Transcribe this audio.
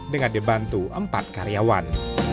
dengan dibantu empat karyawan